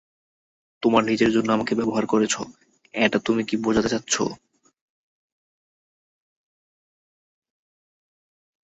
তোমার নিজের জন্য আমাকে ব্যবহার করেছ এটা তুমি কি বোঝাতে চাচ্ছো?